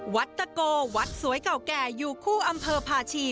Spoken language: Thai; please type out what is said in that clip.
ตะโกวัดสวยเก่าแก่อยู่คู่อำเภอพาชี